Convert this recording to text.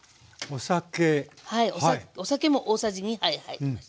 はいお酒も大さじ２杯入ります。